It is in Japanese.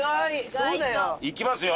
いきますよ。